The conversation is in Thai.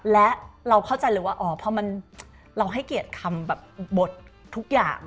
และเราเข้าใจเลยว่าอ๋อพอเราให้เกียรติคำแบบบททุกอย่าง